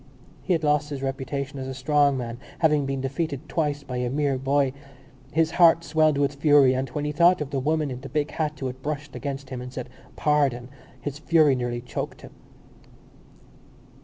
He had lost his reputation as a strong man, having been defeated twice by a mere boy. His heart swelled with fury and, when he thought of the woman in the big hat who had brushed against him and said Pardon! his fury nearly choked him.